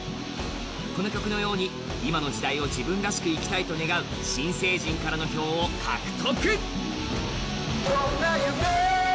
この曲のように今の時代を自分らしく生きたいと願う新成人からの票を獲得。